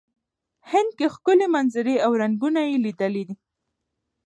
هند کې ښکلې منظرې او رنګونه یې لیدلي.